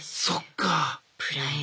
そっか。